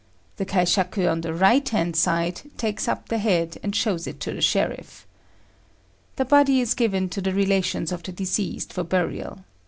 The kaishaku on the right hand side takes up the head and shows it to the sheriff. The body is given to the relations of the deceased for burial.